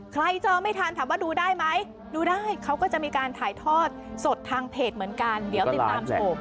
จองไม่ทันถามว่าดูได้ไหมดูได้เขาก็จะมีการถ่ายทอดสดทางเพจเหมือนกันเดี๋ยวติดตามโชว์